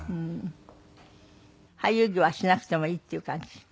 俳優業はしなくてもいいっていう感じ？